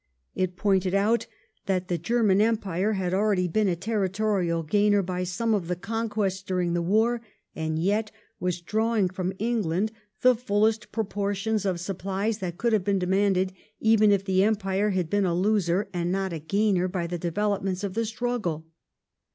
It pointed out that the German Empire had already been a territorial gainer by some of the conquests during the war, and yet was drawing from England the fullest proportions of supplies that could have been demanded even if the Empire had been a loser and not a gainer by the developments of the struggle.